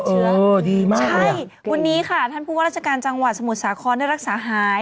วันนี้ค่ะท่านผู้ว่าราชการจังหวัดสมุทรสาครได้รักษาหาย